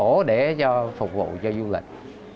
lấu cổ để cho phục vụ cho du lịch